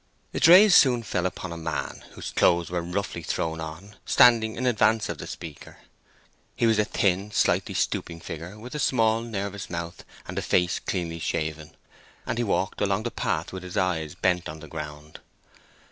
Its rays soon fell upon a man whose clothes were roughly thrown on, standing in advance of the speaker. He was a thin, slightly stooping figure, with a small nervous mouth and a face cleanly shaven; and he walked along the path with his eyes bent on the ground.